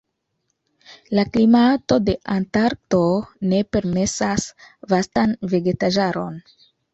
La klimato de Antarkto ne permesas vastan vegetaĵaron.